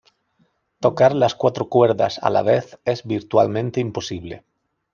Tocar las cuatro cuerdas a la vez es virtualmente imposible.